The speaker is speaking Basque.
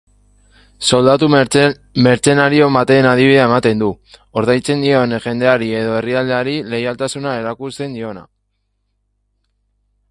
Soldadu mertzenario baten adibidea ematen du, ordaintzen dion jendeari edo herrialdeari leialtasuna erakusten diona.